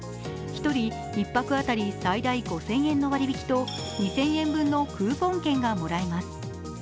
１人１泊当たり最大５０００円の割引と２０００円分のクーポン券がもらえます。